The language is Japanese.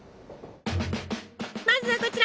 まずはこちら。